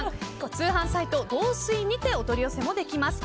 通販サイト、道水にてお取り寄せもできます。